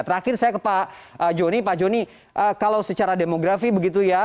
terakhir saya ke pak joni pak joni kalau secara demografi begitu ya